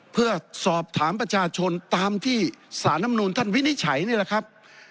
เพื่อสอบถามประชาชนตามที่สารน้ำนูลท่านวินิจฉัยนี่แหละครับ